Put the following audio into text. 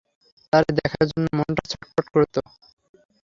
তারে দেখার জন্য মনটা ছটফট করত।